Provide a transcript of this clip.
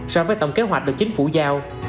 so với tổng kế hoạch được chính phủ giao